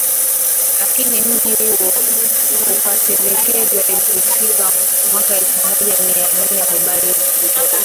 lakini mji huo ukatelekezwa ilipofika mwaka elfu moja mia nane arobaini